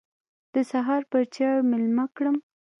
د سهار پر چايو مېلمه کړم.